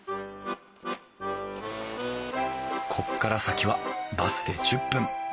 こっから先はバスで１０分。